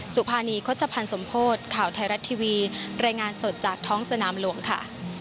สุภานีโฆษภัณฑ์สมโพธิ์ข่าวไทยรัฐทีวีรายงานสดจากท้องสนามหลวงค่ะ